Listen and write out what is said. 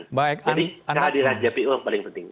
jadi kehadiran jpu yang paling penting